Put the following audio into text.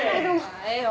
ええよ。